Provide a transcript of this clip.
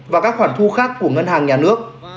và các khoản thu khác của ngân hàng nhà nước